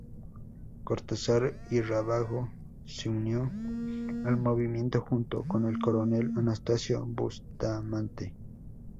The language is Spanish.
Cortazar y Rábago se unió al movimiento junto con el coronel Anastasio Bustamante.